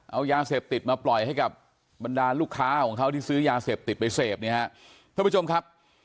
เอายาเสบติดมาปล่อยให้กับบรรดาลูกค้าของเขาที่ซื้อยาเสบติดไปเสพ